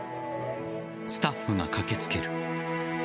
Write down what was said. スタッフが駆けつける。